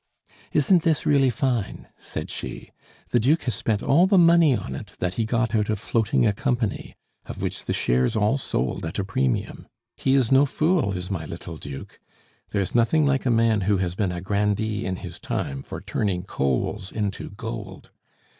"Isn't this really fine?" said she. "The Duke has spent all the money on it that he got out of floating a company, of which the shares all sold at a premium. He is no fool, is my little Duke. There is nothing like a man who has been a grandee in his time for turning coals into gold.